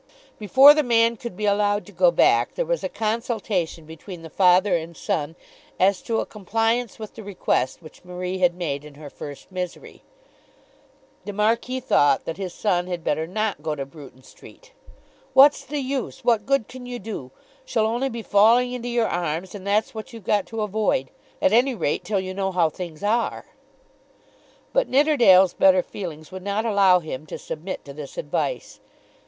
Before the man could be allowed to go back, there was a consultation between the father and son as to a compliance with the request which Marie had made in her first misery. The Marquis thought that his son had better not go to Bruton Street. "What's the use? What good can you do? She'll only be falling into your arms, and that's what you've got to avoid, at any rate, till you know how things are." But Nidderdale's better feelings would not allow him to submit to this advice.